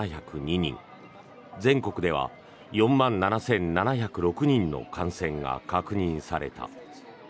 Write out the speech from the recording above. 全国では４万７７０６人の感染が確認された。